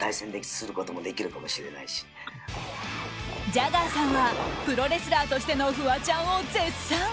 ジャガーさんはプロレスラーとしてのフワちゃんを絶賛。